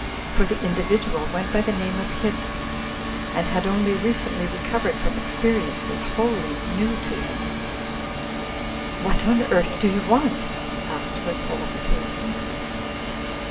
For the individual went by the name of Hibbs, and had only recently recovered from experiences wholly new to him. 'What on earth do you want?'* asked Wimpole of the policeman.